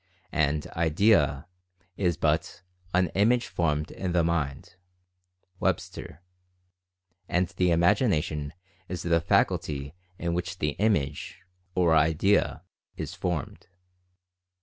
And "idea" is but "an image formed in the mind" (Web ster), and the Imagination is the faculty in which the "image" (or "idea") is formed.